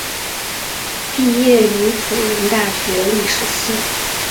毕业于辅仁大学历史系。